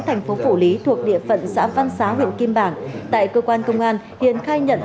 thành phố phủ lý thuộc địa phận xã văn xá huyện kim bảng tại cơ quan công an hiền khai nhận